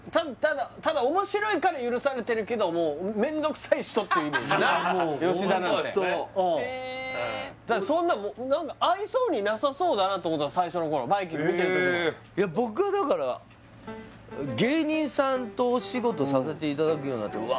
ただ面白いから許されてるけども吉田なんてホント合いそうになさそうだなと思った最初の頃バイキング見てる時も僕はだから芸人さんとお仕事させていただくようになってうわ